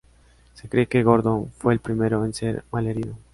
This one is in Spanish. Se cree que Gordon fue el primero en ser malherido.